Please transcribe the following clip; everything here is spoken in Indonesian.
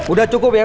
udah cukup ya